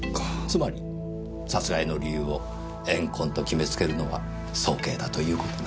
つまり殺害の理由を怨恨と決めつけるのは早計だという事なんです。